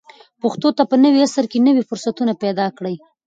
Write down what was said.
پښتو ته په نوي عصر کې نوي فرصتونه پیدا کړئ.